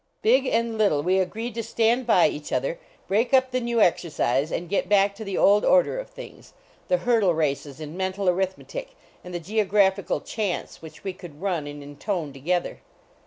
Big and little, we agreed to stand by each other, break up the new exercise, and get back to the old order of things the hurdle races in mental arithmetic and the geographical chants which we could run and intone together.